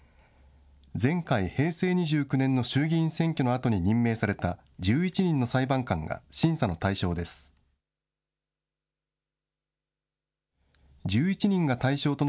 前回・平成２９年の衆議院選挙のあとに任命された１１人の裁判官が審査の対象です。